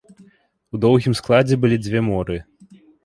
У доўгім складзе былі дзве моры.